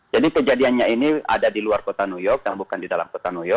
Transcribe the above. jadi kejadiannya ini ada di luar kota new york bukan di dalam kota new york